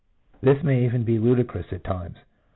This may even be ludicrous at times.